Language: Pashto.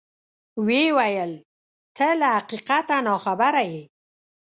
ویې ویل: ته له حقیقته ناخبره یې.